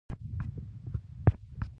هم ګیله من یو له نصیب هم له انسان وطنه